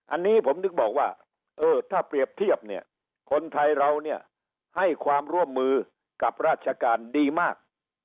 อันนี้ผมนึกบอกว่าเออถ้าเปรียบเทียบเนี่ยคนไทยเราเนี่ยให้ความร่วมมือกับราชการดีมาก